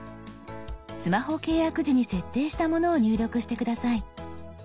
スマホ契約時に設定したものを入力して下さい。